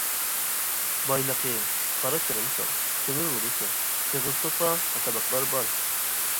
بايلىقى قارا چىرىمتال، تۆمۈر رۇدىسى، سېغىز توپا قاتارلىقلار بار.